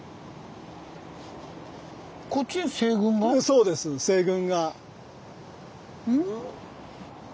そうです西軍が。